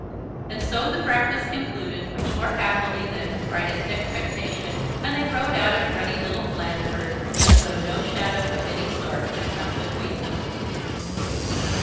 And so the breakfast concluded much more happily than his brightest expectation, and they rode out of ruddy little Blandford as though no shadow of any sort had come between them.